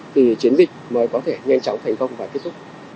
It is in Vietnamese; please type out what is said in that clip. thì chiến dịch mới có thể nhanh chóng thành công và kết thúc